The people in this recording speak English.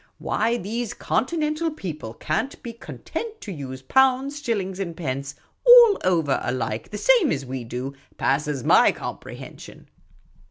Why these Continental people can't be content to use pounds, shillings, and pence, all over alike^ the same as we do, passes 7ny comprehension.